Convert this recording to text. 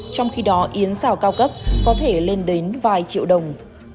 trong khi đó yến xào cao cấp có thể lên đến vài triệu đồng